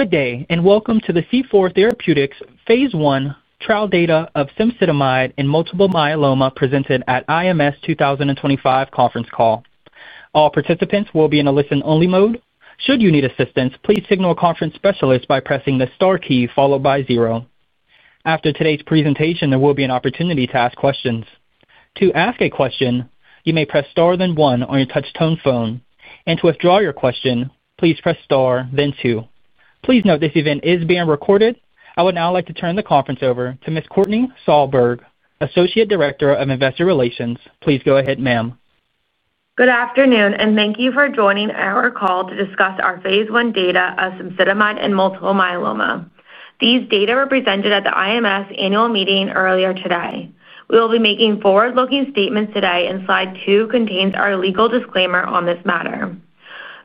Good day and welcome to the C4 Therapeutics Phase I Trial Data of Cemsidomide in Multiple Myeloma presented at IMS 2025 Conference Call. All participants will be in a listen-only mode. Should you need assistance, please signal a conference specialist by pressing the star key followed by zero. After today's presentation, there will be an opportunity to ask questions. To ask a question, you may press star then one on your touch-tone phone, and to withdraw your question, please press star then two. Please note this event is being recorded. I would now like to turn the conference over to Ms. Courtney Solberg, Associate Director of Investor Relations. Please go ahead, ma'am. Good afternoon and thank you for joining our call to discuss our Phase I Data of Cemsidomide in Multiple Myeloma. These data were presented at the IMS 2025 Annual Meeting earlier today. We will be making forward-looking statements today, and slide two contains our legal disclaimer on this matter.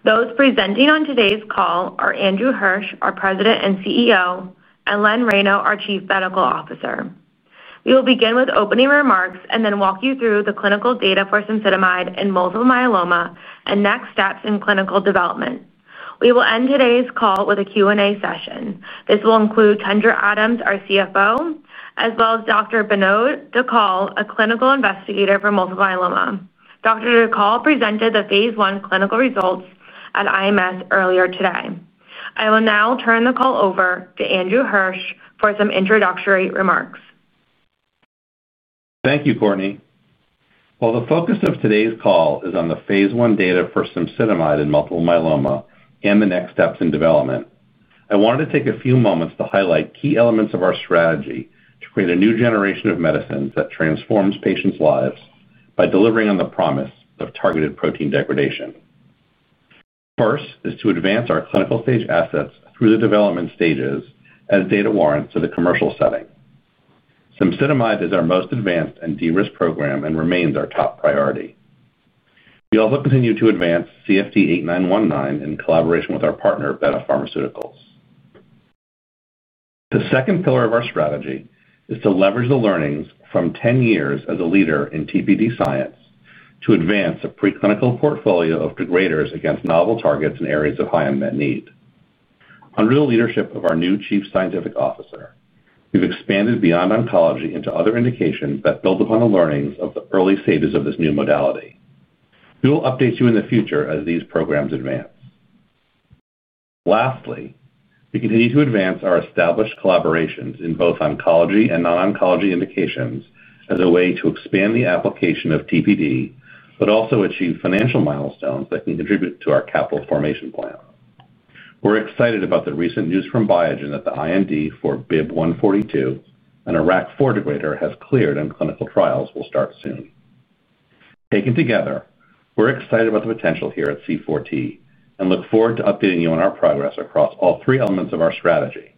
Those presenting on today's call are Andrew Hirsch, our President and CEO, and Len Reyno, our Chief Medical Officer. We will begin with opening remarks and then walk you through the clinical data for cemsidomide in multiple myeloma and next steps in clinical development. We will end today's call with a Q&A session. This will include Kendra Adams, our CFO, as well as Dr. Binod Dhakal, a clinical investigator for multiple myeloma. Dr. Dhakal presented the phase I clinical results at IMS 2025 earlier today. I will now turn the call over to Andrew Hirsch for some introductory remarks. Thank you, Courtney. The focus of today's call is on the phase I data for cemsidomide in multiple myeloma and the next steps in development. I wanted to take a few moments to highlight key elements of our strategy to create a new generation of medicines that transforms patients' lives by delivering on the promise of targeted protein degradation. First is to advance our clinical stage assets through the development stages as data warrants to the commercial setting. Cemsidomide is our most advanced and de-risked program and remains our top priority. We also continue to advance CFT 8919 in collaboration with our partner, Beta Pharmaceuticals. The second pillar of our strategy is to leverage the learnings from 10 years as a leader in TBD science to advance a preclinical portfolio of degraders against novel targets in areas of high unmet need. Under the leadership of our new Chief Scientific Officer, we've expanded beyond oncology into other indications that build upon the learnings of the early stages of this new modality. We will update you in the future as these programs advance. Lastly, we continue to advance our established collaborations in both oncology and non-oncology indications as a way to expand the application of TBD, but also achieve financial milestones that can contribute to our capital formation plan. We're excited about the recent news from Biogen that the IND for BIB-142 and an IRAK4 degrader has cleared and clinical trials will start soon. Taken together, we're excited about the potential here at C4T and look forward to updating you on our progress across all three elements of our strategy.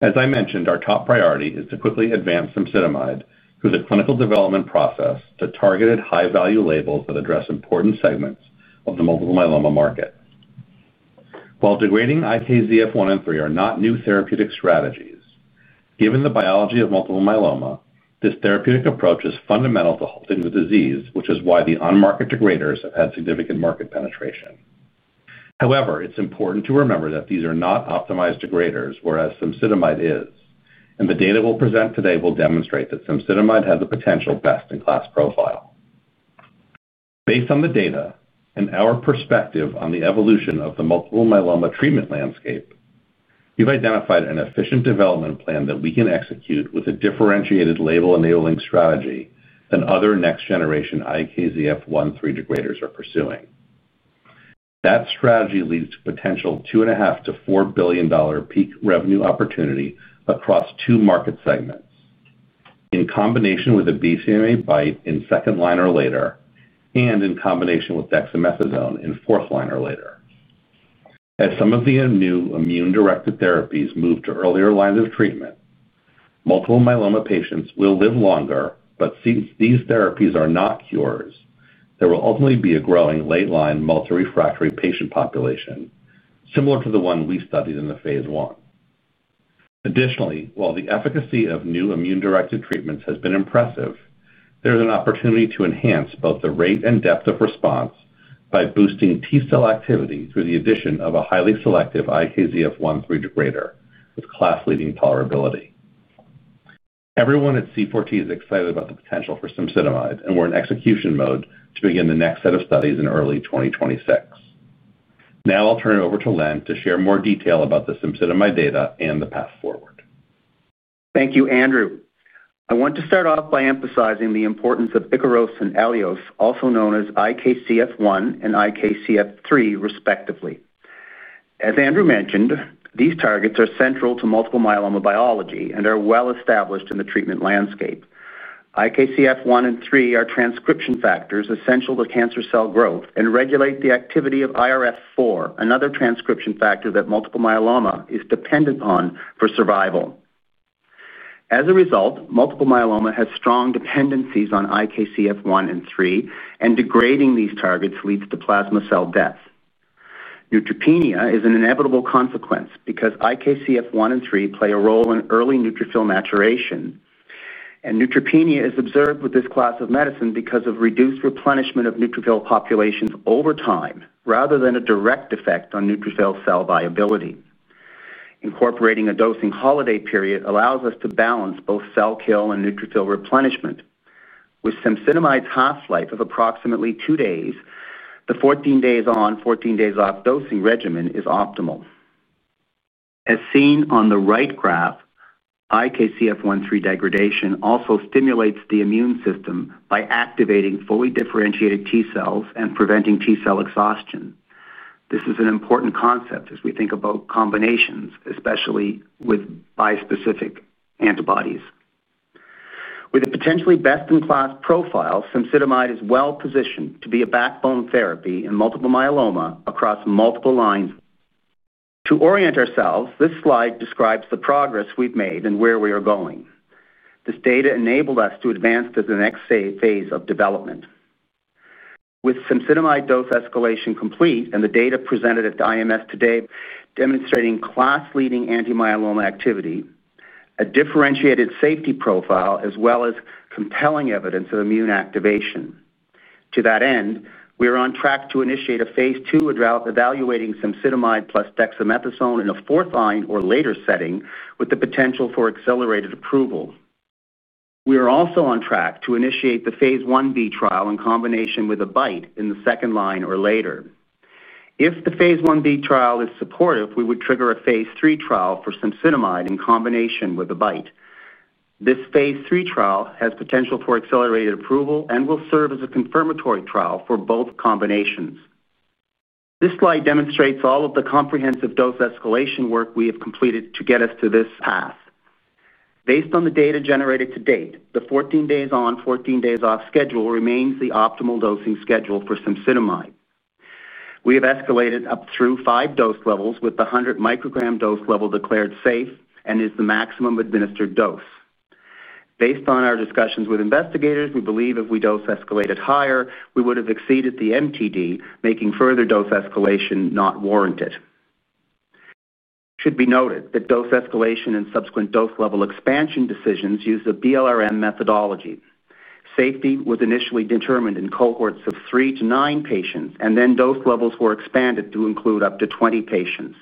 As I mentioned, our top priority is to quickly advance cemsidomide through the clinical development process to targeted high-value labels that address important segments of the multiple myeloma market. While degrading IKZF1 and 3 are not new therapeutic strategies, given the biology of multiple myeloma, this therapeutic approach is fundamental to halting the disease, which is why the on-market degraders have had significant market penetration. However, it's important to remember that these are not optimized degraders, whereas cemsidomide is, and the data we'll present today will demonstrate that cemsidomide has a potential best-in-class profile. Based on the data and our perspective on the evolution of the multiple myeloma treatment landscape, we've identified an efficient development plan that we can execute with a differentiated label-enabling strategy than other next-generation IKZF1/3 degraders are pursuing. That strategy leads to potential $2.5 billion-$4 billion peak revenue opportunity across two market segments in combination with a BCMA BiTE in second line or later, and in combination with dexamethasone in fourth line or later. As some of the new immune-directed therapies move to earlier lines of treatment, multiple myeloma patients will live longer, but since these therapies are not cures, there will ultimately be a growing late line multi-refractory patient population, similar to the one we studied in the phase I. Additionally, while the efficacy of new immune-directed treatments has been impressive, there's an opportunity to enhance both the rate and depth of response by boosting T-cell activity through the addition of a highly selective IKZF1/3 degrader with class-leading tolerability. Everyone at C4 Therapeutics is excited about the potential for cemsidomide, and we're in execution mode to begin the next set of studies in early 2026. Now I'll turn it over to Len to share more detail about the cemsidomide data and the path forward. Thank you, Andrew. I want to start off by emphasizing the importance of Ikaros and Aiolos, also known as IKZF1 and IKZF3, respectively. As Andrew mentioned, these targets are central to multiple myeloma biology and are well established in the treatment landscape. IKZF1 and IKZF3 are transcription factors essential to cancer cell growth and regulate the activity of IRF4, another transcription factor that multiple myeloma is dependent on for survival. As a result, multiple myeloma has strong dependencies on IKZF1 and IKZF3, and degrading these targets leads to plasma cell death. Neutropenia is an inevitable consequence because IKZF1 and IKZF3 play a role in early neutrophil maturation, and neutropenia is observed with this class of medicine because of reduced replenishment of neutrophil populations over time rather than a direct effect on neutrophil cell viability. Incorporating a dosing holiday period allows us to balance both cell kill and neutrophil replenishment. With cemsidomide's half-life of approximately two days, the 14 days on, 14 days off dosing regimen is optimal. As seen on the right graph, IKZF1/3 degradation also stimulates the immune system by activating fully differentiated T-cells and preventing T-cell exhaustion. This is an important concept as we think about combinations, especially with bispecific antibodies. With a potentially best-in-class profile, cemsidomide is well positioned to be a backbone therapy in multiple myeloma across multiple lines. To orient ourselves, this slide describes the progress we've made and where we are going. This data enabled us to advance to the next phase of development. With cemsidomide dose escalation complete and the data presented at the IMS today demonstrating class-leading anti-myeloma activity, a differentiated safety profile, as well as compelling evidence of immune activation. To that end, we are on track to initiate a phase II evaluating cemsidomide plus dexamethasone in a fourth line or later setting with the potential for accelerated approval. We are also on track to initiate the phase IB trial in combination with a BiTE in the second line or later. If the phase IB trial is supportive, we would trigger a phase III trial for cemsidomide in combination with a BiTE. This phase III trial has potential for accelerated approval and will serve as a confirmatory trial for both combinations. This slide demonstrates all of the comprehensive dose escalation work we have completed to get us to this path. Based on the data generated to date, the 14 days on, 14 days off schedule remains the optimal dosing schedule for cemsidomide. We have escalated up through five dose levels with the 100 mcg dose level declared safe and is the maximum administered dose. Based on our discussions with investigators, we believe if we dose escalated higher, we would have exceeded the MTD, making further dose escalation not warranted. It should be noted that dose escalation and subsequent dose level expansion decisions use the BLRM methodology. Safety was initially determined in cohorts of three to nine patients, and then dose levels were expanded to include up to 20 patients.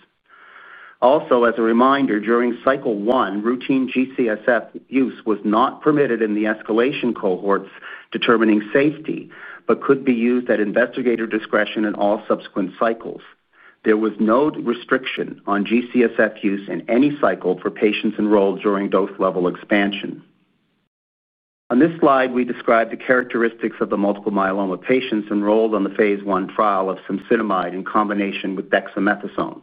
Also, as a reminder, during cycle one, routine GCSF use was not permitted in the escalation cohorts determining safety, but could be used at investigator discretion in all subsequent cycles. There was no restriction on GCSF use in any cycle for patients enrolled during dose level expansion. On this slide, we describe the characteristics of the multiple myeloma patients enrolled on the phase I trial of cemsidomide in combination with dexamethasone.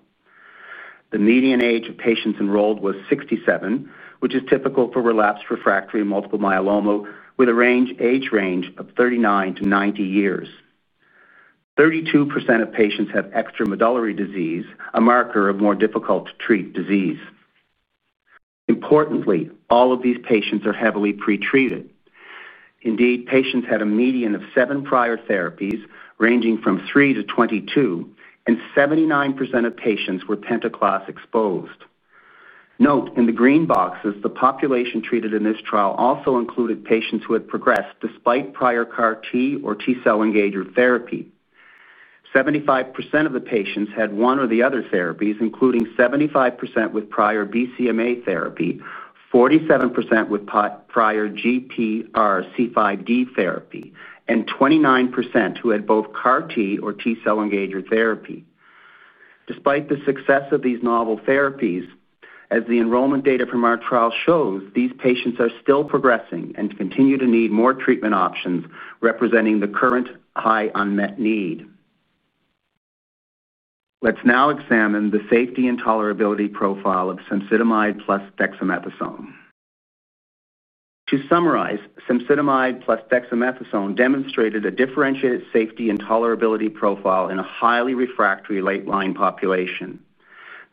The median age of patients enrolled was 67, which is typical for relapsed refractory multiple myeloma with an age range of 39 to 90 years. 32% of patients have extramedullary disease, a marker of more difficult to treat disease. Importantly, all of these patients are heavily pretreated. Indeed, patients had a median of seven prior therapies ranging from 3 to 22, and 79% of patients were pentaclast exposed. Note in the green boxes, the population treated in this trial also included patients who had progressed despite prior CAR-T or T cell engager therapy. 75% of the patients had one or the other therapies, including 75% with prior BCMA therapy, 47% with prior GPRC5D therapy, and 29% who had both CAR-T or T cell engager therapy. Despite the success of these novel therapies, as the enrollment data from our trial shows, these patients are still progressing and continue to need more treatment options representing the current high unmet need. Let's now examine the safety and tolerability profile of cemsidomide plus dexamethasone. To summarize, cemsidomide plus dexamethasone demonstrated a differentiated safety and tolerability profile in a highly refractory late line population.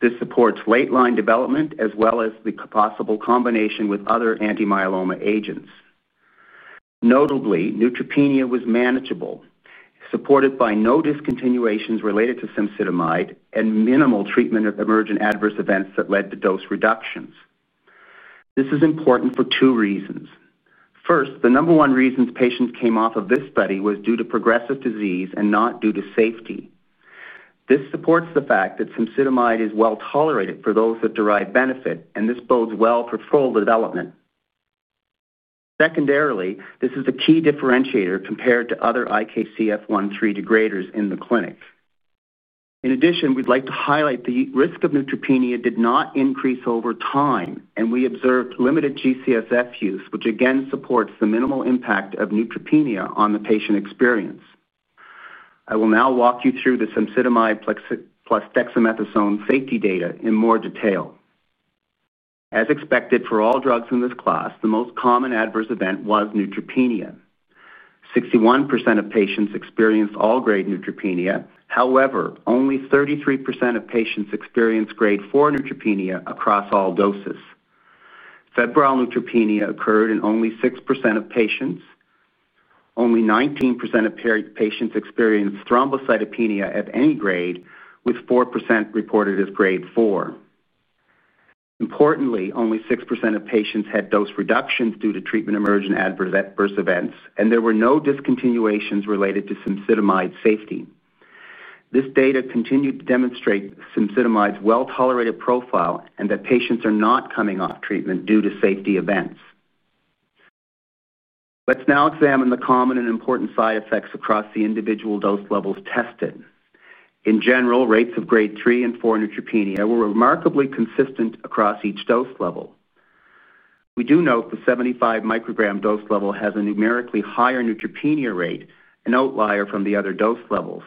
This supports late line development as well as the possible combination with other anti-myeloma agents. Notably, neutropenia was manageable, supported by no discontinuations related to cemsidomide and minimal treatment-emergent adverse events that led to dose reductions. This is important for two reasons. First, the number one reason patients came off of this study was due to progressive disease and not due to safety. This supports the fact that cemsidomide is well tolerated for those that derive benefit, and this bodes well for full development. Secondarily, this is a key differentiator compared to other IKZF1/3 degraders in the clinic. In addition, we'd like to highlight the risk of neutropenia did not increase over time, and we observed limited GCSF use, which again supports the minimal impact of neutropenia on the patient experience. I will now walk you through the cemsidomide plus dexamethasone safety data in more detail. As expected for all drugs in this class, the most common adverse event was neutropenia. 61% of patients experienced all grade neutropenia; however, only 33% of patients experienced grade 4 neutropenia across all doses. Febrile neutropenia occurred in only 6% of patients. Only 19% of patients experienced thrombocytopenia of any grade, with 4% reported as grade 4. Importantly, only 6% of patients had dose reductions due to treatment-emergent adverse events, and there were no discontinuations related to cemsidomide safety. This data continued to demonstrate cemsidomide's well-tolerated profile and that patients are not coming off treatment due to safety events. Let's now examine the common and important side effects across the individual dose levels tested. In general, rates of grade 3 and 4 neutropenia were remarkably consistent across each dose level. We do note the 75 mcg dose level has a numerically higher neutropenia rate, an outlier from the other dose levels.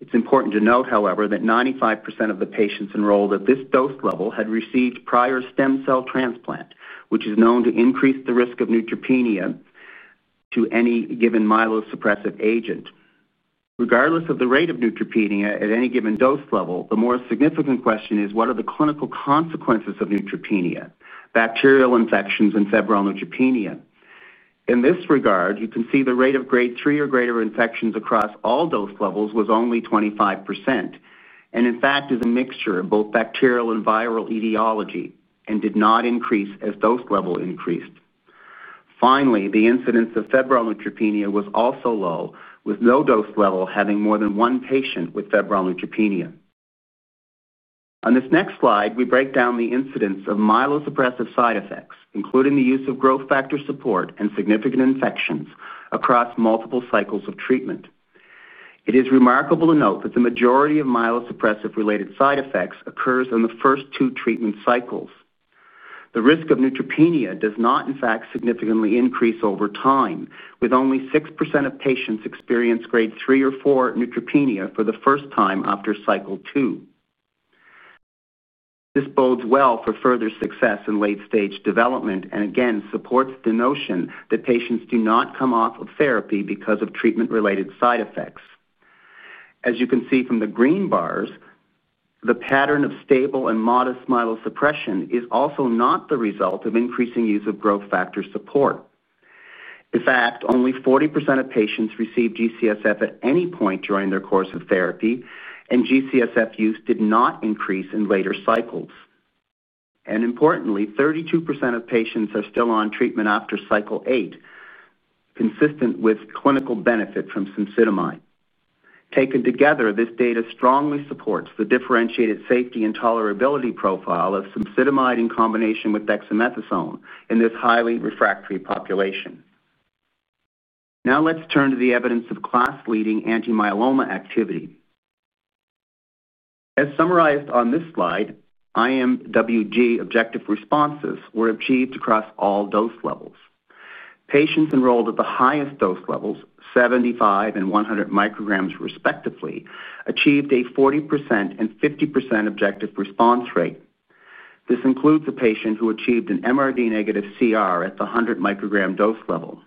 It's important to note, however, that 95% of the patients enrolled at this dose level had received prior stem cell transplant, which is known to increase the risk of neutropenia to any given myelosuppressive agent. Regardless of the rate of neutropenia at any given dose level, the more significant question is what are the clinical consequences of neutropenia, bacterial infections, and febrile neutropenia. In this regard, you can see the rate of grade 3 or greater infections across all dose levels was only 25% and, in fact, is a mixture of both bacterial and viral etiology and did not increase as dose level increased. Finally, the incidence of febrile neutropenia was also low, with no dose level having more than one patient with febrile neutropenia. On this next slide, we break down the incidence of myelosuppressive side effects, including the use of growth factor support and significant infections across multiple cycles of treatment. It is remarkable to note that the majority of myelosuppressive-related side effects occur in the first two treatment cycles. The risk of neutropenia does not, in fact, significantly increase over time, with only 6% of patients experiencing grade 3 or 4 neutropenia for the first time after cycle two. This bodes well for further success in late-stage development and, again, supports the notion that patients do not come off of therapy because of treatment-related side effects. As you can see from the green bars, the pattern of stable and modest myelosuppression is also not the result of increasing use of growth factor support. In fact, only 40% of patients received GCSF at any point during their course of therapy, and GCSF use did not increase in later cycles. Importantly, 32% of patients are still on treatment after cycle eight, consistent with clinical benefit from cemsidomide. Taken together, this data strongly supports the differentiated safety and tolerability profile of cemsidomide in combination with dexamethasone in this highly refractory population. Now let's turn to the evidence of class-leading anti-myeloma activity. As summarized on this slide, IMWG objective responses were achieved across all dose levels. Patients enrolled at the highest dose levels, 75 mcg and 100 mcg, respectively, achieved a 40% and 50% objective response rate. This includes a patient who achieved an MRD negative CR at the 100 mcg dose level.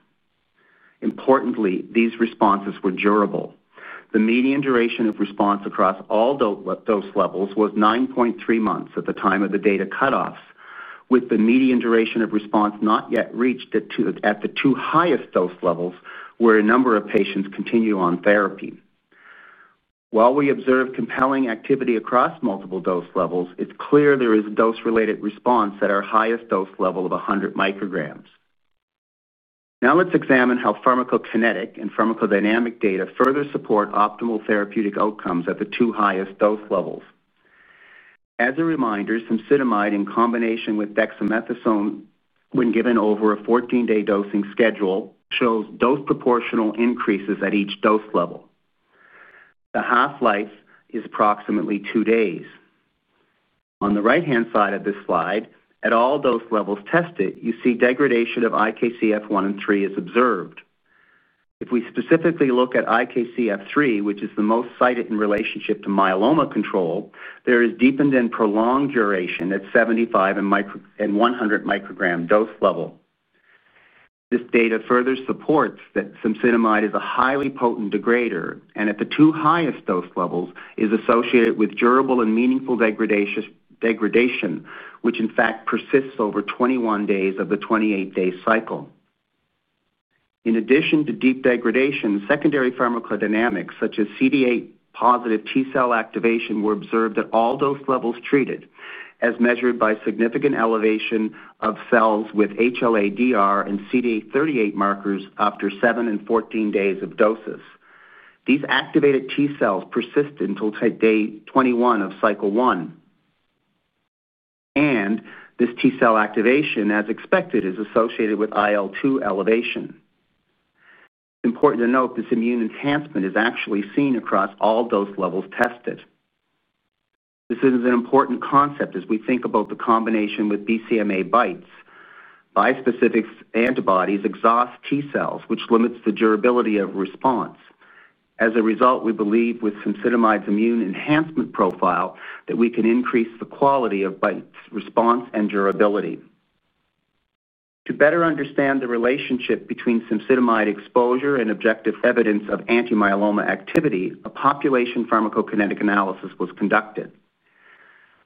Importantly, these responses were durable. The median duration of response across all dose levels was 9.3 months at the time of the data cutoffs, with the median duration of response not yet reached at the two highest dose levels where a number of patients continue on therapy. While we observed compelling activity across multiple dose levels, it's clear there is a dose-related response at our highest dose level of 100 mcg. Now let's examine how pharmacokinetic and pharmacodynamic data further support optimal therapeutic outcomes at the two highest dose levels. As a reminder, cemsidomide in combination with dexamethasone, when given over a 14-day dosing schedule, shows dose proportional increases at each dose level. The half-life is approximately two days. On the right-hand side of this slide, at all dose levels tested, you see degradation of IKZF1/3 is observed. If we specifically look at IKZF3, which is the most cited in relationship to myeloma control, there is deepened and prolonged duration at 75 mcg and 100 mcg dose level. This data further supports that cemsidomide is a highly potent degrader and at the two highest dose levels is associated with durable and meaningful degradation, which, in fact, persists over 21 days of the 28-day cycle. In addition to deep degradation, secondary pharmacodynamics such as CD8+ T cell activation were observed at all dose levels treated, as measured by significant elevation of cells with HLA-DR and CD8+CD38+ markers after 7 and 14 days of doses. These activated T cells persist until day 21 of cycle one. This T cell activation, as expected, is associated with IL-2 elevation. It's important to note this immune enhancement is actually seen across all dose levels tested. This is an important concept as we think about the combination with BCMA BiTE. Bispecific antibodies exhaust T cells, which limits the durability of response. As a result, we believe with cemsidomide's immune enhancement profile that we can increase the quality of BiTE response and durability. To better understand the relationship between cemsidomide exposure and objective evidence of anti-myeloma activity, a population pharmacokinetic analysis was conducted.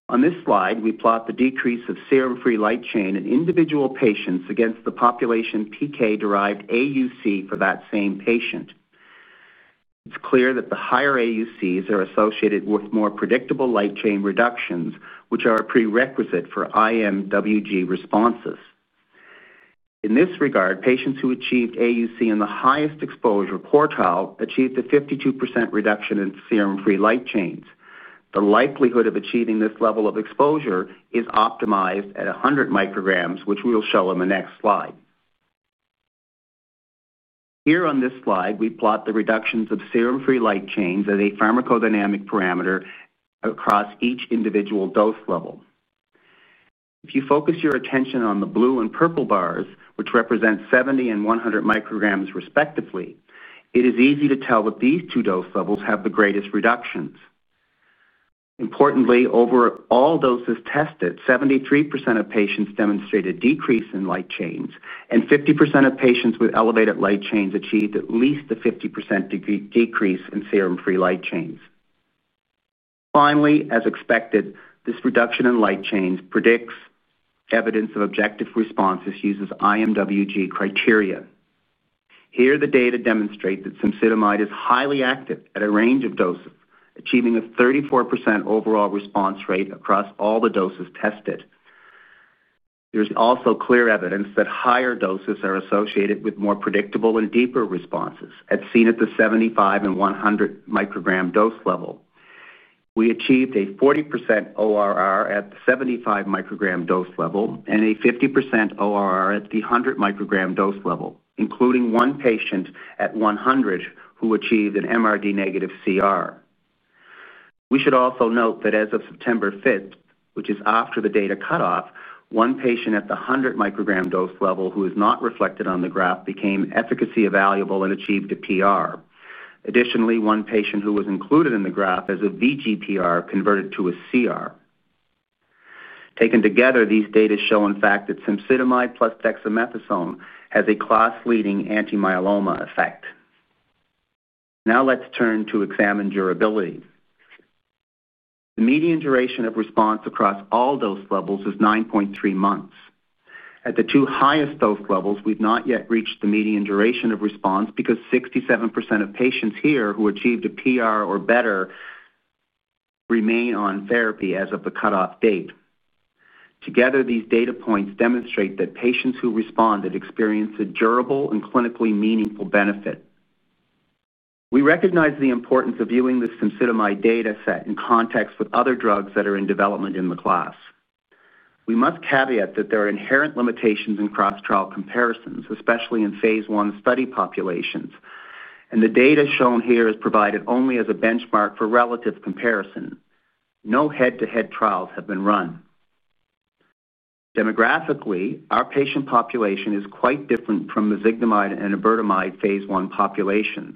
On this slide, we plot the decrease of serum-free light chain in individual patients against the population PK-derived AUC for that same patient. It's clear that the higher AUCs are associated with more predictable light chain reductions, which are a prerequisite for IMWG responses. In this regard, patients who achieved AUC in the highest exposure quartile achieved a 52% reduction in serum-free light chains. The likelihood of achieving this level of exposure is optimized at 100 mcg, which we'll show on the next slide. Here on this slide, we plot the reductions of serum-free light chains as a pharmacodynamic parameter across each individual dose level. If you focus your attention on the blue and purple bars, which represent 70 mcg and 100 mcg respectively, it is easy to tell that these two dose levels have the greatest reductions. Importantly, over all doses tested, 73% of patients demonstrated decrease in light chains, and 50% of patients with elevated light chains achieved at least a 50% decrease in serum-free light chains. Finally, as expected, this reduction in light chains predicts evidence of objective responses using IMWG criteria. Here, the data demonstrates that cemsidomide is highly active at a range of doses, achieving a 34% overall response rate across all the doses tested. There's also clear evidence that higher doses are associated with more predictable and deeper responses as seen at the 75 mcg and 100 mcg dose level. We achieved a 40% ORR at the 75 mcg dose level and a 50% ORR at the 100 mcg dose level, including one patient at 100 mcg who achieved an MRD negative CR. We should also note that as of September 5, which is after the data cutoff, one patient at the 100 mcg dose level who is not reflected on the graph became efficacy evaluable and achieved a PR. Additionally, one patient who was included in the graph as a VGPR converted to a CR. Taken together, these data show, in fact, that cemsidomide plus dexamethasone has a class-leading anti-myeloma effect. Now let's turn to examine durability. The median duration of response across all dose levels is 9.3 months. At the two highest dose levels, we've not yet reached the median duration of response because 67% of patients here who achieved a PR or better remain on therapy as of the cutoff date. Together, these data points demonstrate that patients who responded experienced a durable and clinically meaningful benefit. We recognize the importance of viewing the cemsidomide data set in context with other drugs that are in development in the class. We must caveat that there are inherent limitations in cross-trial comparisons, especially in phase I study populations, and the data shown here is provided only as a benchmark for relative comparison. No head-to-head trials have been run. Demographically, our patient population is quite different from mezigdomide and iberdomide phase I populations.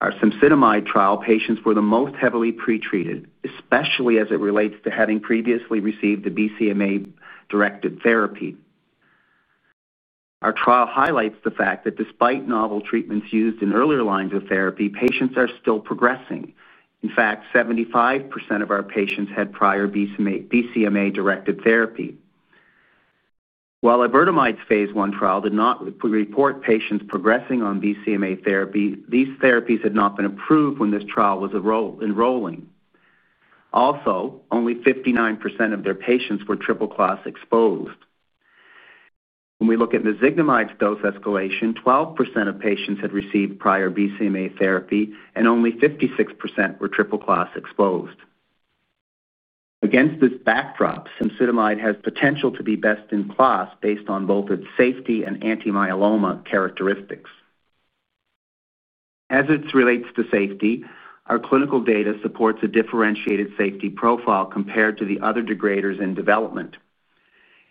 Our cemsidomide trial patients were the most heavily pretreated, especially as it relates to having previously received the BCMA-directed therapy. Our trial highlights the fact that despite novel treatments used in earlier lines of therapy, patients are still progressing. In fact, 75% of our patients had prior BCMA-directed therapy. While Ibrutinib's phase I trial did not report patients progressing on BCMA-directed therapy, these therapies had not been approved when this trial was enrolling. Also, only 59% of their patients were triple class exposed. When we look at mezigdomide's dose escalation, 12% of patients had received prior BCMA therapy, and only 56% were triple class exposed. Against this backdrop, cemsidomide has potential to be best in class based on both its safety and anti-myeloma characteristics. As it relates to safety, our clinical data supports a differentiated safety profile compared to the other degraders in development.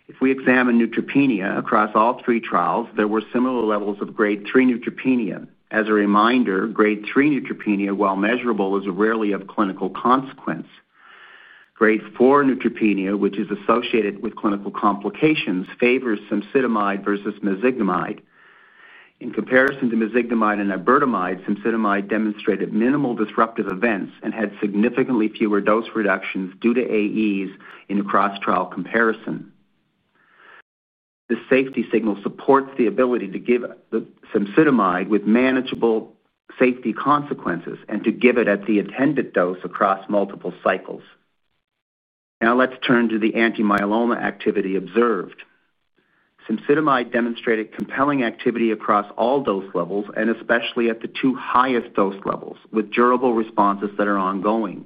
If we examine neutropenia across all three trials, there were similar levels of grade 3 neutropenia. As a reminder, grade 3 neutropenia, while measurable, is rarely of clinical consequence. Grade 4 neutropenia, which is associated with clinical complications, favors cemsidomide versus mezigdomide. In comparison to mezigdomide and iberdomide, cemsidomide demonstrated minimal disruptive events and had significantly fewer dose reductions due to AEs in a cross-trial comparison. The safety signal supports the ability to give cemsidomide with manageable safety consequences and to give it at the intended dose across multiple cycles. Now let's turn to the anti-myeloma activity observed. Cemsidomide demonstrated compelling activity across all dose levels and especially at the two highest dose levels with durable responses that are ongoing.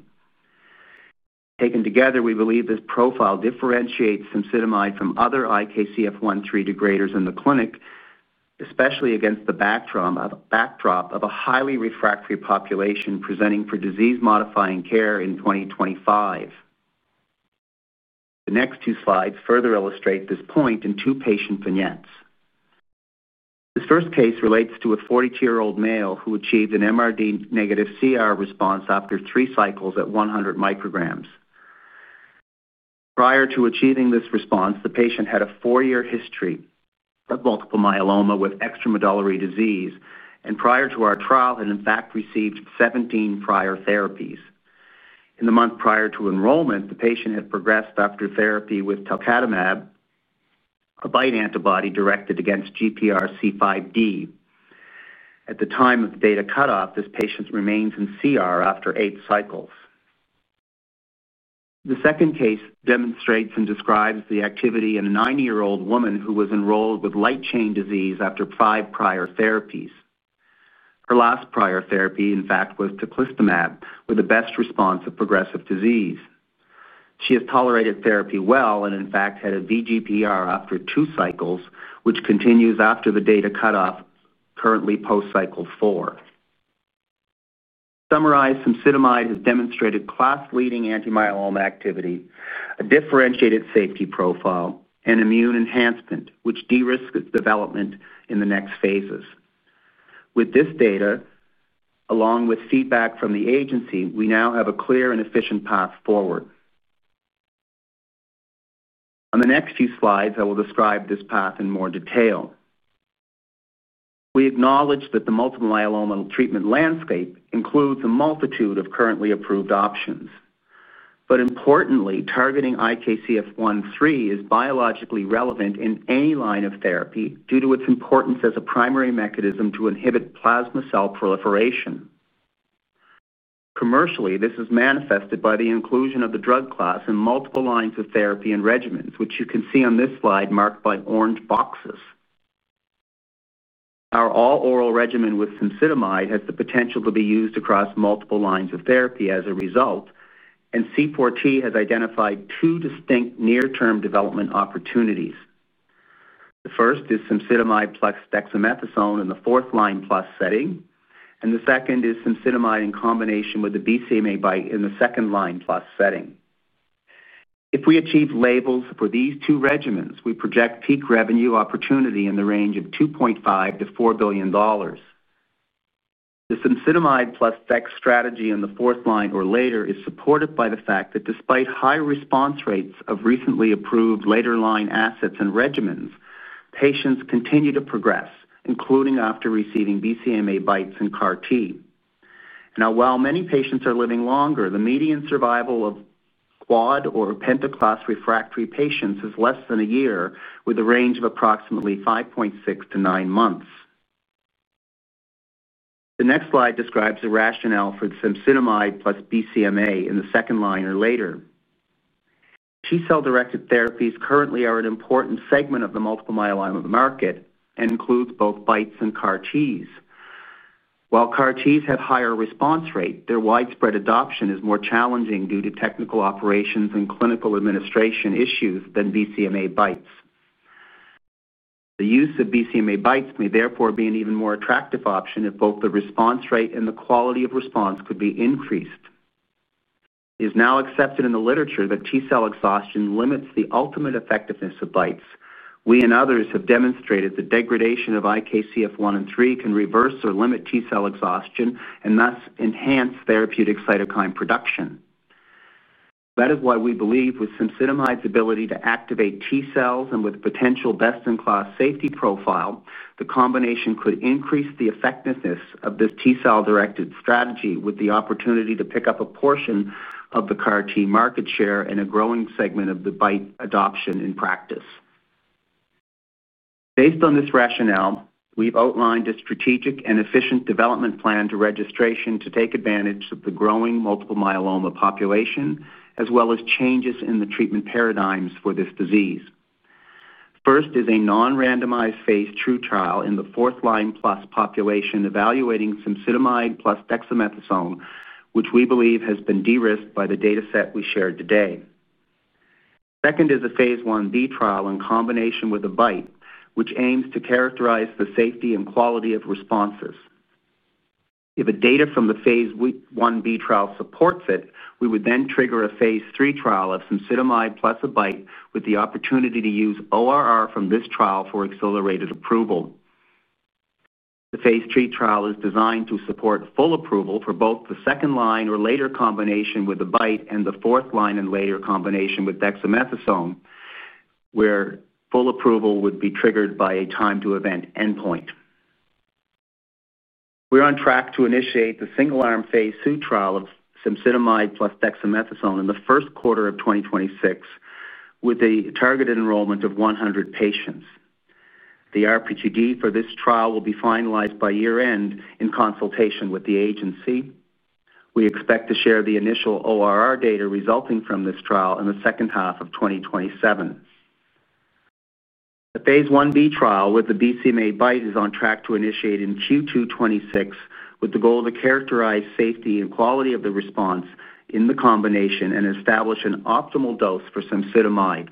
Taken together, we believe this profile differentiates cemsidomide from other IKZF1/3 degraders in the clinic, especially against the backdrop of a highly refractory population presenting for disease-modifying care in 2025. The next two slides further illustrate this point in two patient vignettes. This first case relates to a 42-year-old male who achieved an MRD negative CR response after three cycles at 100 mcg. Prior to achieving this response, the patient had a four-year history of multiple myeloma with extramedullary disease and prior to our trial had, in fact, received 17 prior therapies. In the month prior to enrollment, the patient had progressed after therapy with talquetamab, a BiTE antibody directed against GPRC5D. At the time of the data cutoff, this patient remains in CR after eight cycles. The second case demonstrates and describes the activity in a 90-year-old woman who was enrolled with light chain disease after five prior therapies. Her last prior therapy, in fact, was tocilizumab with the best response of progressive disease. She has tolerated therapy well and, in fact, had a VGPR after two cycles, which continues after the data cutoff, currently post cycle four. Summarized, cemsidomide has demonstrated class-leading anti-myeloma activity, a differentiated safety profile, and immune enhancement, which de-risk its development in the next phases. With this data, along with feedback from the agency, we now have a clear and efficient path forward. On the next few slides, I will describe this path in more detail. We acknowledge that the multiple myeloma treatment landscape includes a multitude of currently approved options. Importantly, targeting IKZF1/3 is biologically relevant in any line of therapy due to its importance as a primary mechanism to inhibit plasma cell proliferation. Commercially, this is manifested by the inclusion of the drug class in multiple lines of therapy and regimens, which you can see on this slide marked by orange boxes. Our all-oral regimen with cemsidomide has the potential to be used across multiple lines of therapy as a result, and C4T has identified two distinct near-term development opportunities. The first is cemsidomide plus dexamethasone in the fourth line plus setting, and the second is cemsidomide in combination with the BCMA BiTE in the second line plus setting. If we achieve labels for these two regimens, we project peak revenue opportunity in the range of $2.5 billion-$4 billion. The cemsidomide plus dex strategy in the fourth line or later is supported by the fact that despite high response rates of recently approved later line assets and regimens, patients continue to progress, including after receiving BCMA BiTEs and CAR-T. While many patients are living longer, the median survival of quad or penta-class refractory patients is less than a year, with a range of approximately 5.6 to 9 months. The next slide describes the rationale for cemsidomide plus BCMA in the second line or later. T cell directed therapies currently are an important segment of the multiple myeloma market and include both BiTEs and CAR-Ts. While CAR-Ts have a higher response rate, their widespread adoption is more challenging due to technical operations and clinical administration issues than BCMA BiTEs. The use of BCMA BiTEs may therefore be an even more attractive option if both the response rate and the quality of response could be increased. It is now accepted in the literature that T cell exhaustion limits the ultimate effectiveness of BiTEs. We and others have demonstrated that degradation of IKZF1 and IKZF3 can reverse or limit T cell exhaustion and thus enhance therapeutic cytokine production. That is why we believe with cemsidomide's ability to activate T cells and with a potential best-in-class safety profile, the combination could increase the effectiveness of this T cell directed strategy with the opportunity to pick up a portion of the CAR-T market share and a growing segment of the BiTE adoption in practice. Based on this rationale, we've outlined a strategic and efficient development plan to registration to take advantage of the growing multiple myeloma population, as well as changes in the treatment paradigms for this disease. First is a non-randomized phase II trial in the fourth line plus population evaluating cemsidomide plus dexamethasone, which we believe has been de-risked by the data set we shared today. Second is a phase IB trial in combination with a BiTE, which aims to characterize the safety and quality of responses. If the data from the phase IB trial supports it, we would then trigger a phase III trial of cemsidomide plus a BiTE with the opportunity to use ORR from this trial for accelerated approval. The phase III trial is designed to support full approval for both the second line or later combination with a BiTE and the fourth line and later combination with dexamethasone, where full approval would be triggered by a time-to-event endpoint. We're on track to initiate the single-arm phase II trial of cemsidomide plus dexamethasone in the first quarter of 2026 with a targeted enrollment of 100 patients. The RPGD for this trial will be finalized by year-end in consultation with the agency. We expect to share the initial ORR data resulting from this trial in the second half of 2027. The phase IB trial with the BCMA BiTE is on track to initiate in Q2 2026, with the goal to characterize safety and quality of the response in the combination and establish an optimal dose for cemsidomide.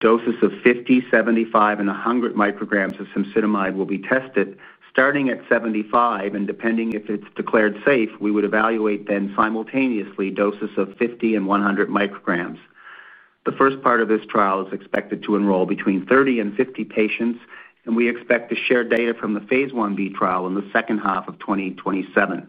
Doses of 50 mcg, 75 mcg, and 100 mcg of cemsidomide will be tested starting at 75 mcg and, depending if it's declared safe, we would evaluate then simultaneously doses of 50 mcg and 100 mcg. The first part of this trial is expected to enroll between 30 and 50 patients, and we expect to share data from the phase IB trial in the second half of 2027.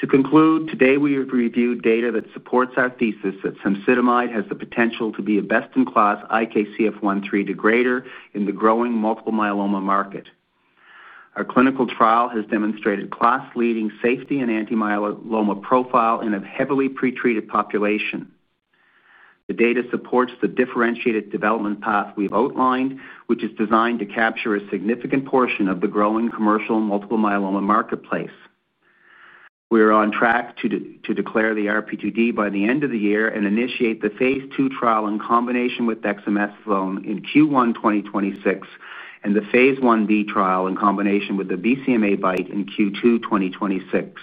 To conclude, today we have reviewed data that supports our thesis that cemsidomide has the potential to be a best-in-class IKZF1/3 degrader in the growing multiple myeloma market. Our clinical trial has demonstrated class-leading safety and anti-myeloma profile in a heavily pretreated population. The data supports the differentiated development path we've outlined, which is designed to capture a significant portion of the growing commercial multiple myeloma marketplace. We're on track to declare the RPGD by the end of the year and initiate the phase II trial in combination with dexamethasone in Q1 2026 and the phase IB trial in combination with the BCMA BiTE in Q2 2026.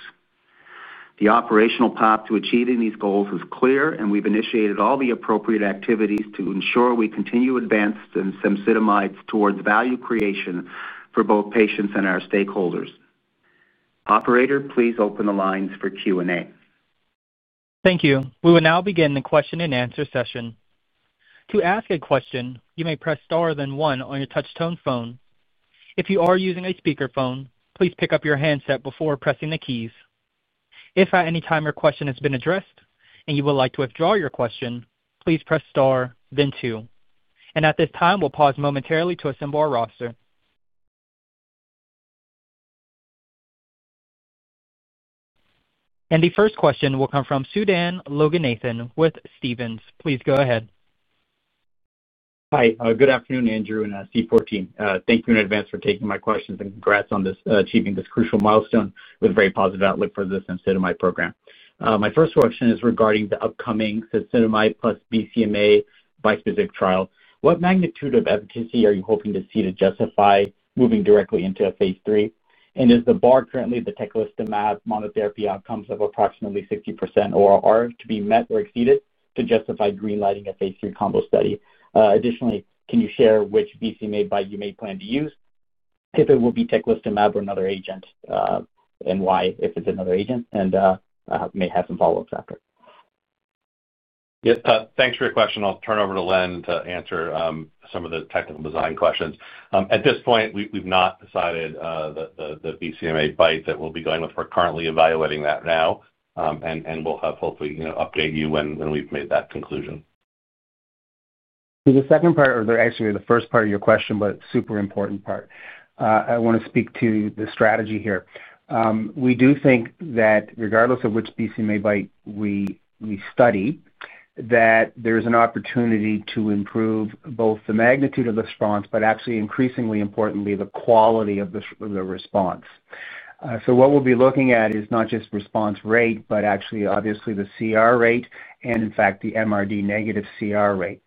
The operational path to achieving these goals is clear, and we've initiated all the appropriate activities to ensure we continue advancing cemsidomide towards value creation for both patients and our stakeholders. Operator, please open the lines for Q&A. Thank you. We will now begin the question and answer session. To ask a question, you may press star then one on your touch-tone phone. If you are using a speaker phone, please pick up your handset before pressing the keys. If at any time your question has been addressed and you would like to withdraw your question, please press star then two. At this time, we'll pause momentarily to assemble our roster. The first question will come from Sudan Loganathan with Stephens. Please go ahead. Hi, good afternoon, Andrew and C4T. Thank you in advance for taking my questions and congrats on achieving this crucial milestone with a very positive outlook for the cemsidomide program. My first question is regarding the upcoming cemsidomide plus BCMA BiTE bispecific trial. What magnitude of efficacy are you hoping to see to justify moving directly into a phase III? Is the bar currently the tocilizumab monotherapy outcomes of approximately 60% ORR to be met or exceeded to justify green lighting a phase III combo study? Additionally, can you share which BCMA BiTE you may plan to use, if it will be another agent and why if it's another agent? I may have some follow-ups after. Yes, thanks for your question. I'll turn over to Len to answer some of the technical design questions. At this point, we've not decided the BCMA BiTE that we'll be going with. We're currently evaluating that now, and we'll hopefully update you when we've made that conclusion. The second part, or actually the first part of your question, but a super important part, I want to speak to the strategy here. We do think that regardless of which BCMA BiTE we study, there is an opportunity to improve both the magnitude of the response, but actually increasingly importantly, the quality of the response. What we'll be looking at is not just response rate, but actually obviously the CR rate and in fact the MRD negative CR rate.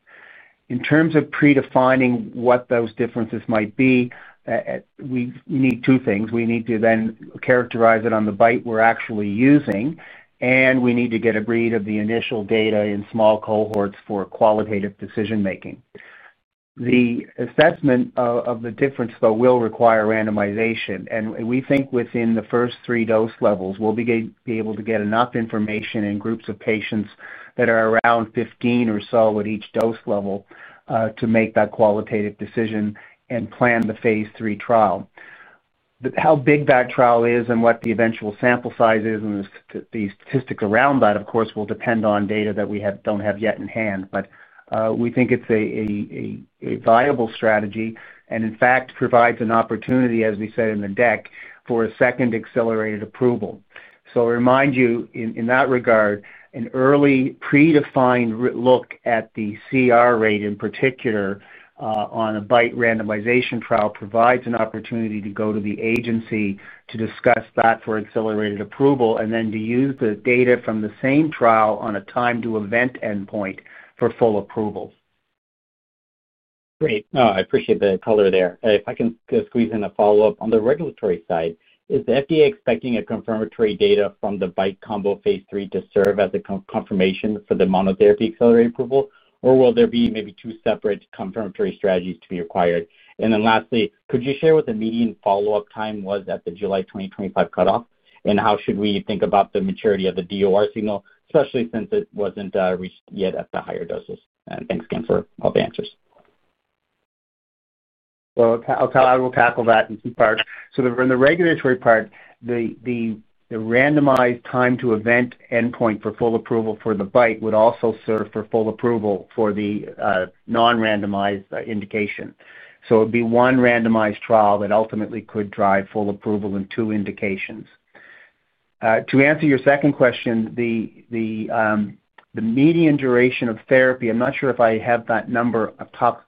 In terms of predefining what those differences might be, we need two things. We need to then characterize it on the BiTE we're actually using, and we need to get a read of the initial data in small cohorts for qualitative decision making. The assessment of the difference, though, will require randomization, and we think within the first three dose levels, we'll be able to get enough information in groups of patients that are around 15 or so at each dose level to make that qualitative decision and plan the phase III trial. How big that trial is and what the eventual sample size is and the statistics around that, of course, will depend on data that we don't have yet in hand. We think it's a viable strategy and in fact provides an opportunity, as we said in the deck, for a second accelerated approval. I'll remind you in that regard, an early predefined look at the CR rate in particular on a BiTE randomization trial provides an opportunity to go to the agency to discuss that for accelerated approval and then to use the data from the same trial on a time-to-event endpoint for full approval. Great. I appreciate the color there. If I can squeeze in a follow-up on the regulatory side, is the FDA expecting confirmatory data from the BiTE combo phase III to serve as a confirmation for the monotherapy accelerated approval, or will there be maybe two separate confirmatory strategies to be required? Lastly, could you share what the median follow-up time was at the July 2025 cutoff and how should we think about the maturity of the DOR signal, especially since it wasn't reached yet at the higher doses? Thanks again for all the answers. Okay, I will tackle that in two parts. In the regulatory part, the randomized time-to-event endpoint for full approval for the BiTE would also serve for full approval for the non-randomized indication. It would be one randomized trial that ultimately could drive full approval in two indications. To answer your second question, the median duration of therapy, I'm not sure if I have that number up top.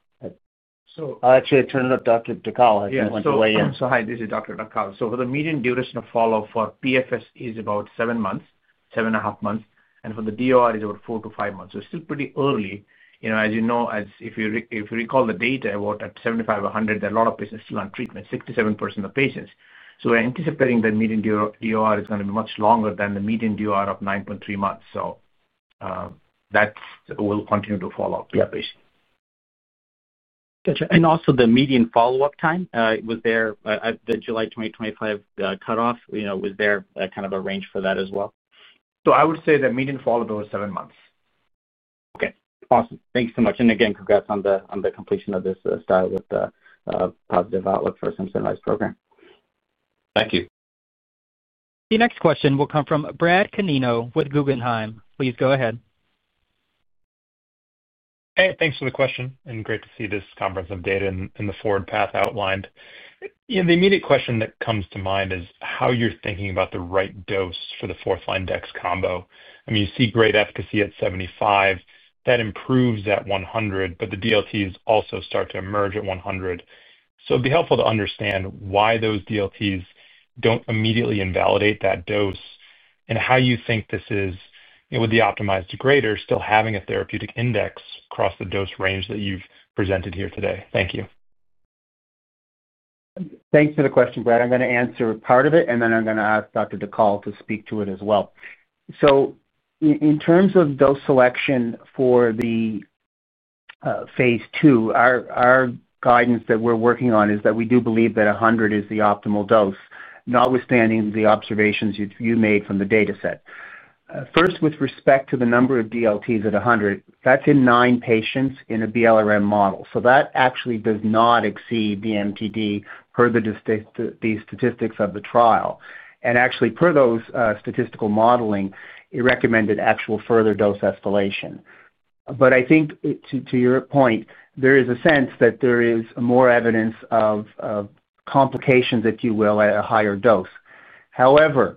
I turn it up, Dr. Dhakal. Yes, I'm sorry. This is Dr. Dhakal. The median duration of follow-up for PFS is about seven months, seven and a half months, and for the DOR is about four to five months. It's still pretty early. As you know, if you recall the data, about at 75 mcg or 100 mcg, a lot of patients are still on treatment, 67% of the patients. We're anticipating the median DOR is going to be much longer than the median DOR of 9.3 months. That will continue to follow up with the patient. Gotcha. Also, the median follow-up time, was there the July 2025 cutoff? Was there kind of a range for that as well? I would say the median follow-up is over seven months. Okay. Awesome. Thank you so much. Again, congrats on the completion of this style with the positive outlook for cemsidomide's program. Thank you. The next question will come from Brad Canino with Guggenheim. Please go ahead. Hey, thanks for the question and great to see this comprehensive data in the forward path outlined. The immediate question that comes to mind is how you're thinking about the right dose for the fourth line dexamethasone combo. You see great efficacy at 75 mcg. That improves at 100 mcg, but the DLTs also start to emerge at 100 mcg. It would be helpful to understand why those DLTs don't immediately invalidate that dose and how you think this is, with the optimized degrader still having a therapeutic index across the dose range that you've presented here today. Thank you. Thanks for the question, Brad. I'm going to answer part of it, and then I'm going to ask Dr. Dhakal to speak to it as well. In terms of dose selection for the phase II, our guidance that we're working on is that we do believe that 100 mcg is the optimal dose, notwithstanding the observations you made from the data set. First, with respect to the number of DLTs at 100 mcg, that's in nine patients in a BLRM model. That actually does not exceed the MTD per the statistics of the trial. Actually, per those statistical modeling, it recommended actual further dose escalation. I think to your point, there is a sense that there is more evidence of complications, if you will, at a higher dose. However,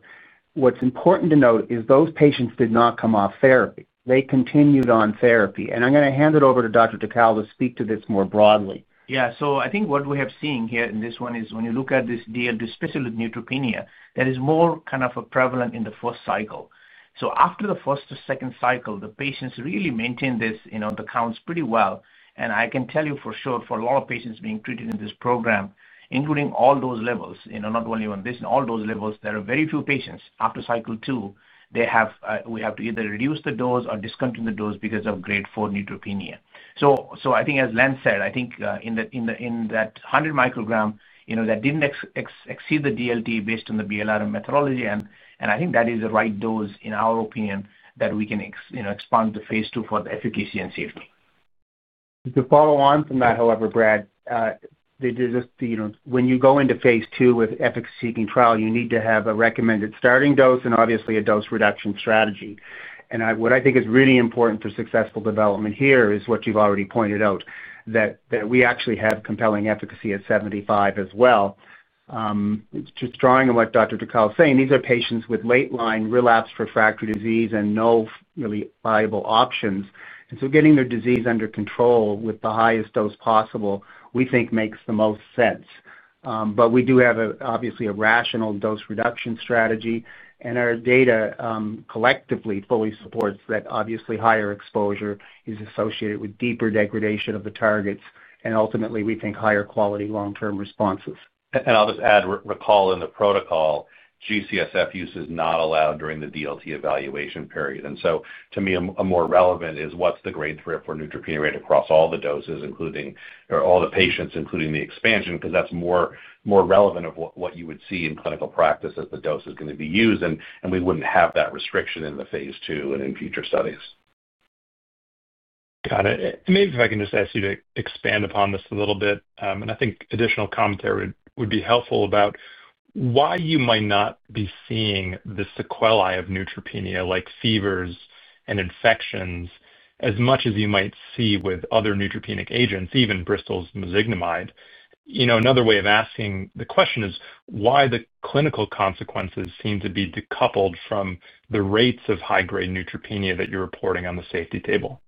what's important to note is those patients did not come off therapy. They continued on therapy. I'm going to hand it over to Dr. Dhakal to speak to this more broadly. Yeah, I think what we have seen here in this one is when you look at this deal, this specific neutropenia is more kind of prevalent in the first cycle. After the first to second cycle, the patients really maintain the counts pretty well. I can tell you for sure, for a lot of patients being treated in this program, including all dose levels, not only on this and all those levels, there are very few patients after cycle two where we have to either reduce the dose or discontinue the dose because of grade 4 neutropenia. I think, as Len said, in that 100 mcg, that didn't exceed the DLT based on the BLR methodology. I think that is the right dose, in our opinion, that we can expand the phase II for the efficacy and safety. To follow on from that, however, Brad, when you go into phase II with efficacy seeking trial, you need to have a recommended starting dose and obviously a dose reduction strategy. What I think is really important for successful development here is what you've already pointed out, that we actually have compelling efficacy at 75 mcg as well. Drawing on what Dr. Dhakal is saying, these are patients with late line relapse refractory disease and no really viable options. Getting their disease under control with the highest dose possible, we think makes the most sense. We do have obviously a rational dose reduction strategy, and our data collectively fully supports that. Obviously higher exposure is associated with deeper degradation of the targets, and ultimately we think higher quality long-term responses. I'll just add, recall in the protocol, GCSF use is not allowed during the DLT evaluation period. To me, more relevant is what's the grade 3 or 4 neutropenia rate across all the doses, including all the patients, including the expansion, because that's more relevant of what you would see in clinical practice as the dose is going to be used, and we wouldn't have that restriction in the phase II and in future studies. Got it. Maybe if I can just ask you to expand upon this a little bit, I think additional commentary would be helpful about why you might not be seeing the sequelae of neutropenia like fevers and infections as much as you might see with other neutropenic agents, even Bristol's mezigdomide. Another way of asking the question is why the clinical consequences seem to be decoupled from the rates of high-grade neutropenia that you're reporting on the safety table.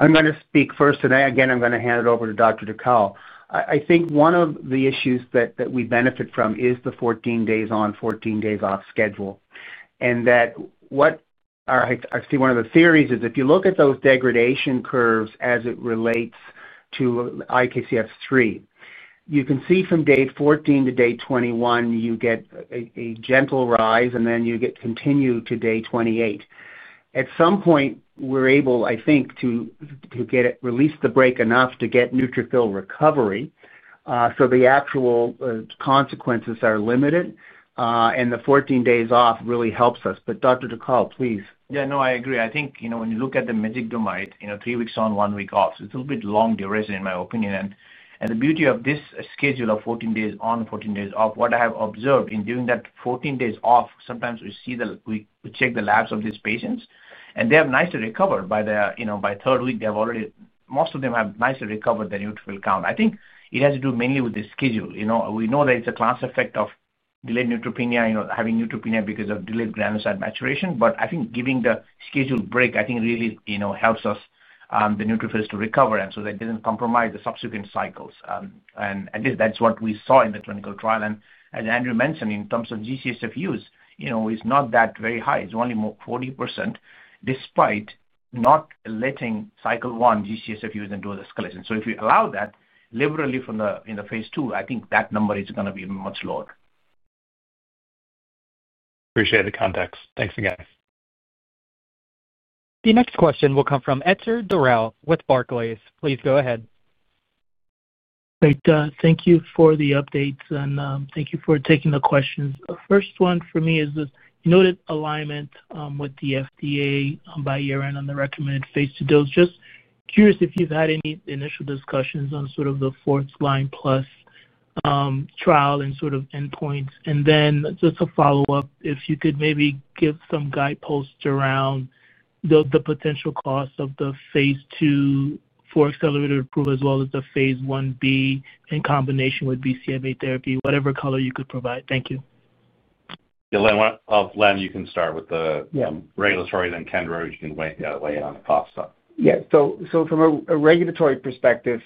I'm going to speak first, and then again I'm going to hand it over to Dr. Dhakal. I think one of the issues that we benefit from is the 14 days on, 14 days off schedule, and what I see, one of the theories is if you look at those degradation curves as it relates to IKZF3, you can see from day 14 to day 21 you get a gentle rise, and then you get continued to day 28. At some point, we're able, I think, to get it, release the brake enough to get neutrophil recovery. The actual consequences are limited, and the 14 days off really helps us. Dr. Dhakal, please. Yeah, no, I agree. I think, you know, when you look at the mezigdomide, you know, three weeks on, one week off, so it's a little bit long duration in my opinion. The beauty of this schedule of 14 days on, 14 days off, what I have observed in doing that 14 days off, sometimes we see that we check the labs of these patients and they have nicely recovered by the, you know, by third week, they've already, most of them have nicely recovered the neutrophil count. I think it has to do mainly with the schedule. We know that it's a class effect of delayed neutropenia, you know, having neutropenia because of delayed granulocyte maturation. I think giving the scheduled break really, you know, helps us the neutrophils to recover and so that doesn't compromise the subsequent cycles. At least that's what we saw in the clinical trial. As Andrew mentioned, in terms of GCSF use, you know, it's not that very high. It's only 40% despite not letting cycle one GCSF use into the escalation. If you allow that liberally from the in the phase II, I think that number is going to be much lower. Appreciate the context. Thanks again. The next question will come from Etzer Darout with Barclays. Please go ahead. Thank you for the updates and thank you for taking the questions. First one for me is, you noted alignment with the FDA by year-end on the recommended phase II dose. Just curious if you've had any initial discussions on sort of the fourth line plus trial and sort of endpoints. Just a follow-up, if you could maybe give some guideposts around the potential cost of the phase II for accelerated approval, as well as the phase IB in combination with BCMA therapy, whatever color you could provide. Thank you. Yeah, Len, you can start with the regulatory, then Kendra, you can wait to weigh in on the cost side. Yeah, so from a regulatory perspective,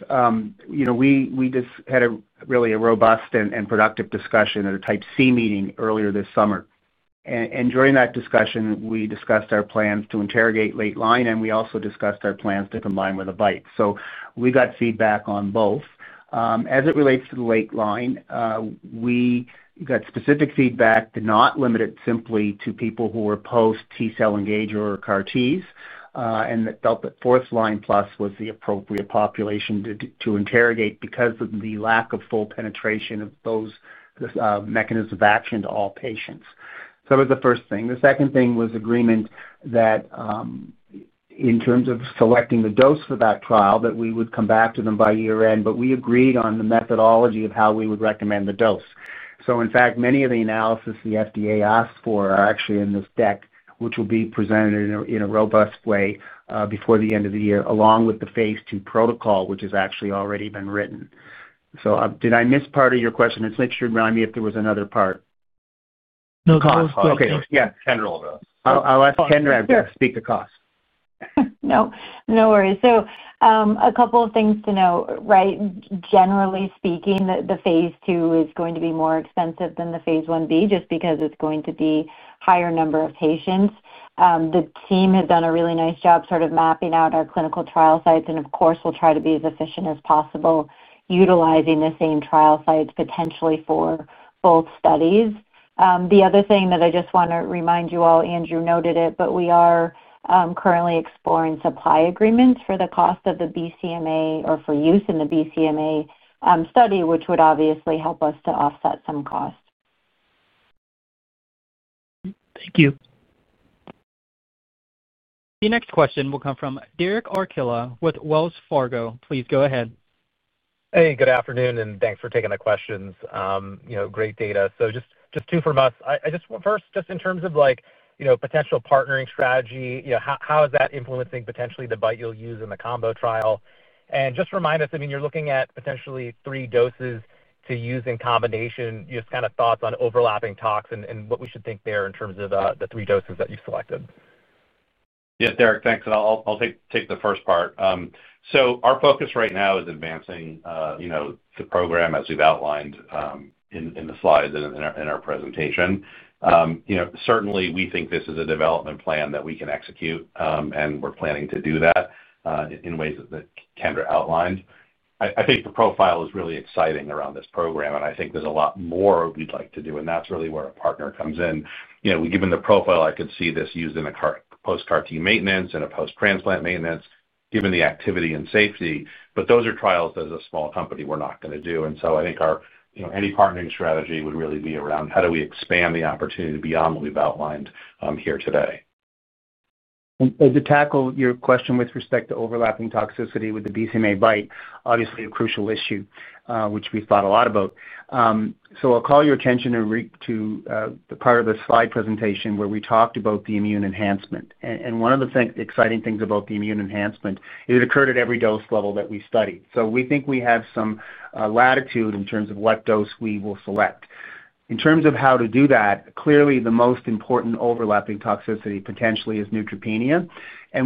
you know, we just had a really robust and productive discussion at a Type C meeting earlier this summer. During that discussion, we discussed our plans to interrogate late line, and we also discussed our plans to combine with a BiTE. We got feedback on both. As it relates to the late line, we got specific feedback to not limit it simply to people who were post T cell engager or CAR-Ts, and that fourth line plus was the appropriate population to interrogate because of the lack of full penetration of those mechanisms of action to all patients. That was the first thing. The second thing was agreement that in terms of selecting the dose for that trial, we would come back to them by year-end, but we agreed on the methodology of how we would recommend the dose. In fact, many of the analyses the FDA asked for are actually in this deck, which will be presented in a robust way before the end of the year, along with the phase II protocol, which has actually already been written. Did I miss part of your question? I just want you to remind me if there was another part. No cost. Yeah, Kendra will go. I'll ask Kendra to speak to cost. No worries. A couple of things to know, right? Generally speaking, the phase II is going to be more expensive than the phase IB just because it's going to be a higher number of patients. The team has done a really nice job sort of mapping out our clinical trial sites, and of course, we'll try to be as efficient as possible utilizing the same trial sites potentially for both studies. The other thing that I just want to remind you all, Andrew noted it, but we are currently exploring supply agreements for the cost of the BCMA or for use in the BCMA study, which would obviously help us to offset some cost. Thank you. The next question will come from Derek Archila with Wells Fargo. Please go ahead. Hey, good afternoon, and thanks for taking the questions. Great data. Just two from us. First, just in terms of potential partnering strategy, how is that influencing potentially the BiTE you'll use in the combo trial? Just remind us, you're looking at potentially three doses to use in combination, just thoughts on overlapping tox and what we should think there in terms of the three doses that you've selected. Yeah, Derek, thanks. I'll take the first part. Our focus right now is advancing the program as we've outlined in the slides and in our presentation. Certainly, we think this is a development plan that we can execute, and we're planning to do that in ways that Kendra outlined. I think the profile is really exciting around this program, and I think there's a lot more we'd like to do, and that's really where a partner comes in. Given the profile, I could see this used in a post-CAR-T maintenance and a post-transplant maintenance, given the activity and safety, but those are trials that as a small company we're not going to do. I think any partnering strategy would really be around how do we expand the opportunity beyond what we've outlined here today. To tackle your question with respect to overlapping toxicity with the BCMA BiTE, obviously a crucial issue, which we've thought a lot about. I'll call your attention to the part of the slide presentation where we talked about the immune enhancement. One of the exciting things about the immune enhancement is it occurred at every dose level that we studied. We think we have some latitude in terms of what dose we will select. In terms of how to do that, clearly the most important overlapping toxicity potentially is neutropenia.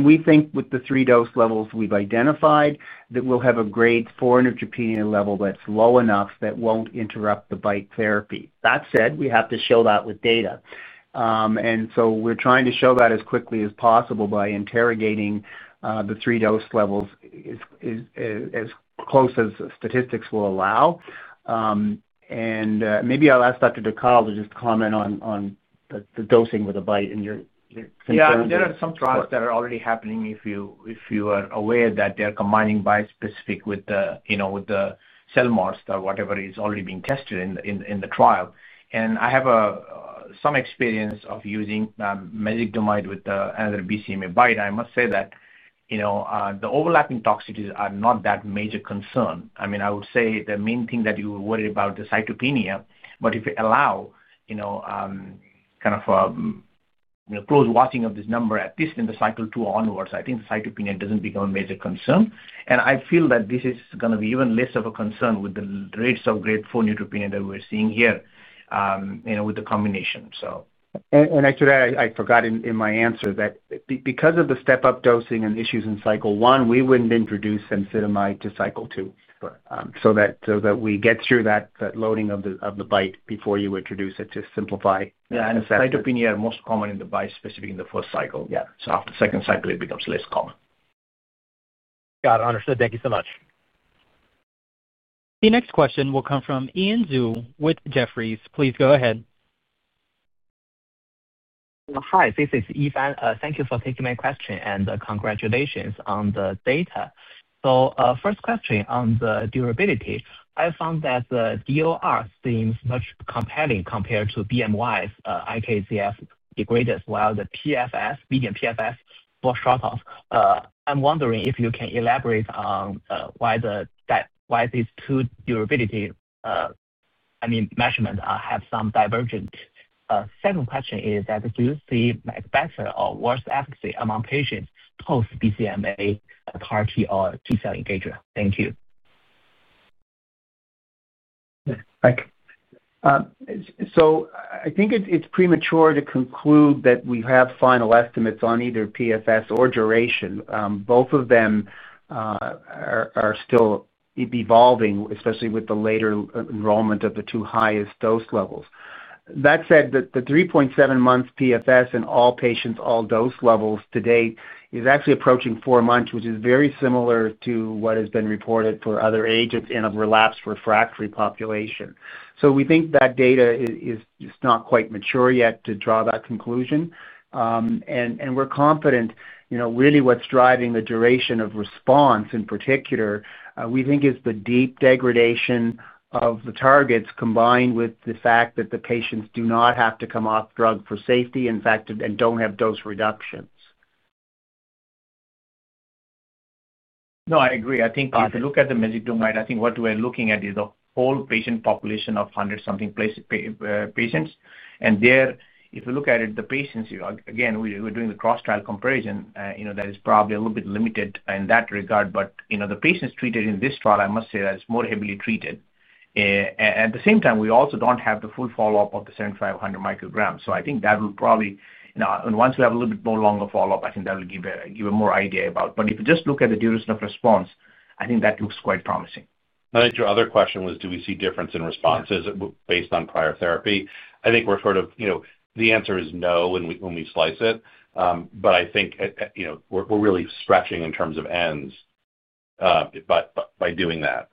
We think with the three dose levels we've identified that we'll have a grade 4 neutropenia level that's low enough that won't interrupt the BiTE therapy. That said, we have to show that with data. We're trying to show that as quickly as possible by interrogating the three dose levels as close as statistics will allow. Maybe I'll ask Dr. Dhakal to just comment on the dosing with a BiTE and your concerns. Yeah, there are some trials that are already happening if you are aware that they're combining bispecific with the, you know, with the [cell] or whatever is already being tested in the trial. I have some experience of using mezigdomide with another BCMA BiTE. I must say that, you know, the overlapping toxicities are not that major concern. I mean, I would say the main thing that you worry about is the cytopenia, but if you allow, you know, kind of a close watching of this number, at least in the cycle two onwards, I think the cytopenia doesn't become a major concern. I feel that this is going to be even less of a concern with the rates of grade 4 neutropenia that we're seeing here, you know, with the combination. Actually, I forgot in my answer that because of the step-up dosing and issues in cycle one, we wouldn't introduce cemsidomide to cycle two. That way, we get through that loading of the BiTE before you introduce it to simplify. Yeah, and if cytopenia are most common in the bispecific in the first cycle, yeah, after the second cycle, it becomes less common. Got it. Understood. Thank you so much. The next question will come from [Ian Zhu] with Jefferies. Please go ahead. Hi, this is [Ian]. Thank you for taking my question and congratulations on the data. First question on the durability. I found that the DOR seems much more compelling compared to BMY's IKZF degraders while the PFS, median PFS, falls short. I'm wondering if you can elaborate on why these two durability measurements have some divergence. Second question is that do you see better or worse efficacy among patients post-BCMA, CAR-T, or T cell engager? Thank you. I think it's premature to conclude that we have final estimates on either PFS or duration. Both of them are still evolving, especially with the later enrollment of the two highest dose levels. That said, the 3.7 months PFS in all patients, all dose levels to date, is actually approaching four months, which is very similar to what has been reported for other agents in a relapsed refractory population. We think that data is just not quite mature yet to draw that conclusion. We're confident, you know, really what's driving the duration of response in particular, we think, is the deep degradation of the targets combined with the fact that the patients do not have to come off drug for safety, in fact, and don't have dose reductions. No, I agree. I think if you look at the mezigdomide, I think what we're looking at is the whole patient population of 100-something patients. If you look at it, the patients, again, we're doing the cross-trial comparison, you know, that is probably a little bit limited in that regard. The patients treated in this trial, I must say that it's more heavily treated. At the same time, we also don't have the full follow-up of the 75 mcg or 100 mcg. I think that will probably, you know, once we have a little bit more longer follow-up, I think that will give a more idea about. If you just look at the duration of response, I think that looks quite promising. I think your other question was, do we see a difference in responses based on prior therapy? I think we're sort of, you know, the answer is no when we slice it. I think, you know, we're really stretching in terms of ends by doing that.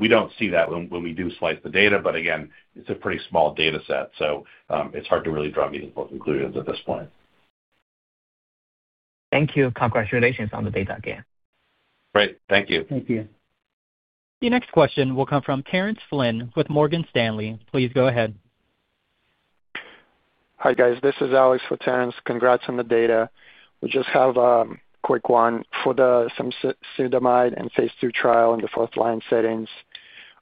We don't see that when we do slice the data. Again, it's a pretty small data set, so it's hard to really draw meaningful conclusions at this point. Thank you and congratulations on the data again. Great. Thank you. Thank you. The next question will come from Terrence Flynn with Morgan Stanley. Please go ahead. Hi guys, this is Alex with Terrence. Congrats on the data. We just have a quick one for the cemsidomide and phase II trial in the fourth line settings.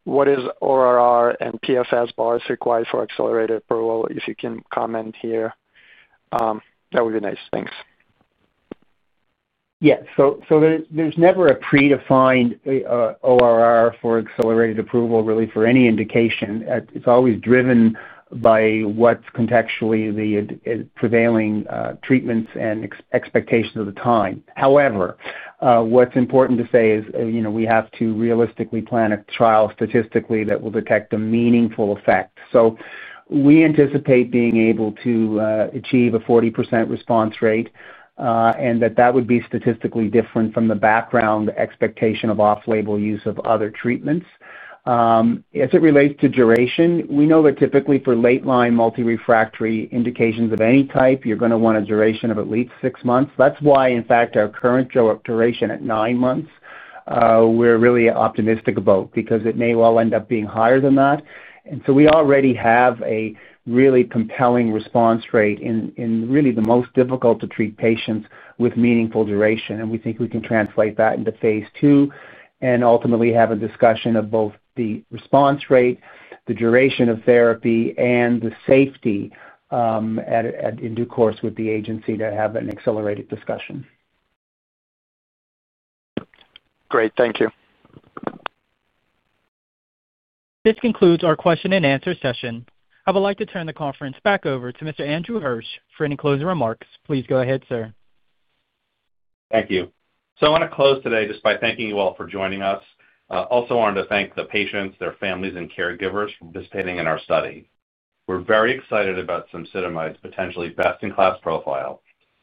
What is ORR and PFS bars required for accelerated approval? If you can comment here, that would be nice. Thanks. Yeah, so there's never a predefined ORR for accelerated approval really for any indication. It's always driven by what's contextually the prevailing treatments and expectations of the time. However, what's important to say is, you know, we have to realistically plan a trial statistically that will detect a meaningful effect. We anticipate being able to achieve a 40% response rate and that that would be statistically different from the background expectation of off-label use of other treatments. As it relates to duration, we know that typically for late line multi-refractory indications of any type, you're going to want a duration of at least six months. That's why, in fact, our current duration at nine months, we're really optimistic about because it may well end up being higher than that. We already have a really compelling response rate in really the most difficult to treat patients with meaningful duration. We think we can translate that into phase II and ultimately have a discussion of both the response rate, the duration of therapy, and the safety in due course with the agency to have an accelerated discussion. Great, thank you. This concludes our question and answer session. I would like to turn the conference back over to Mr. Andrew Hirsch for any closing remarks. Please go ahead, sir. Thank you. I want to close today just by thanking you all for joining us. I also wanted to thank the patients, their families, and caregivers for participating in our study. We're very excited about cemsidomide's potentially best-in-class profile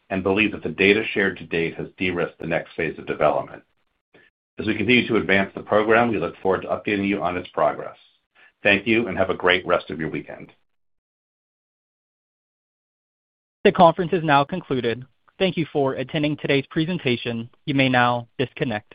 and believe that the data shared to date has de-risked the next phase of development. As we continue to advance the program, we look forward to updating you on its progress. Thank you and have a great rest of your weekend. The conference is now concluded. Thank you for attending today's presentation. You may now disconnect.